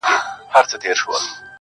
په سل ګونو یې وه کړي سفرونه -